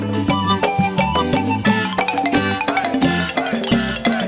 กลับมาที่สุดท้าย